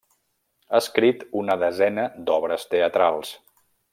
Ha escrit una desena d'obres teatrals.